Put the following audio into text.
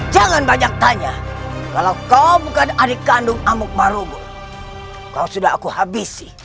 jangan banyak tanya kalau kau bukan adik kandung amu kemarugul kau sudah aku habisi